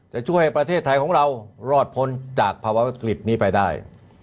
จะช่วยให้ประเทศไทยของเรารอดพ้นจากภาวะวิกฤตนี้ไปได้